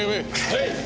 はい。